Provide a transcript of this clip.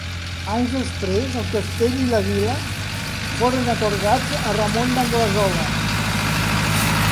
Anys després, el castell i la vila foren atorgats a Ramon d'Anglesola.